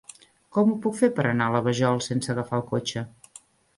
Com ho puc fer per anar a la Vajol sense agafar el cotxe?